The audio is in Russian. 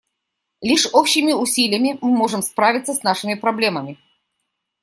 Лишь общими усилиями мы можем справиться с нашими проблемами.